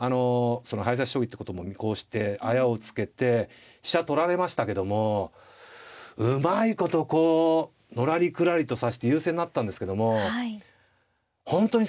その早指し将棋ってことも見越してあやをつけて飛車取られましたけどもうまいことこうのらりくらりと指して優勢になったんですけども本当に最後ですね。